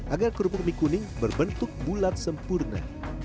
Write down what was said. agar kerupuk mie kuning berbentuk bulat sempurna